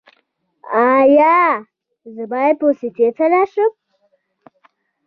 ایا زه باید پوستې ته لاړ شم؟